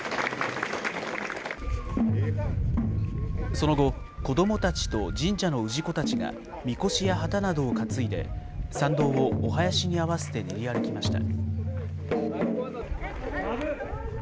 その後、子どもたちと神社の氏子たちが、みこしや旗などを担いで、参道をおはやしに合わせて練り歩きました。